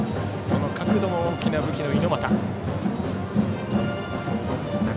その角度も大きな武器の猪俣。